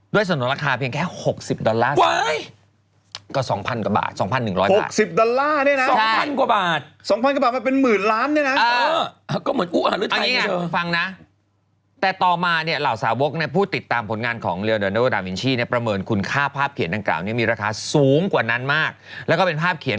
ด้วยสนุนราคาเพียงแค่๖๐ดอลลาร์สักนาที